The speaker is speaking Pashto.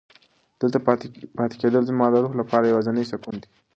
دلته پاتې کېدل زما د روح لپاره یوازینی سکون دی.